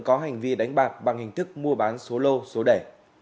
có hành vi đánh bạc bằng hình thức mua bán số lô số đẻ